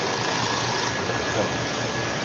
Tlexsem.